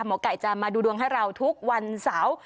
หมอไก่จะมาดูดวงให้เราทุกวันเสาร์